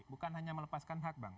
bukan hanya melepaskan hak bang